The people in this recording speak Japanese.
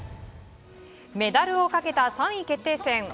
メダルをかけた３位決定戦。